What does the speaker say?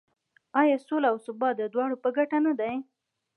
آیا سوله او ثبات د دواړو په ګټه نه دی؟